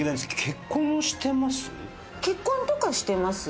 結婚とかしてます？